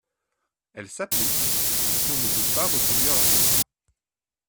Elle s’applique si on ne veut pas reconduire leur contrat.